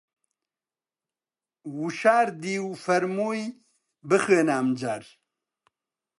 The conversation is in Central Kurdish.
وشاردی و فەرمووی: بخوێنە ئەمجار